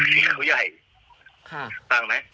เสียงเขาใหญ่ฟังไหม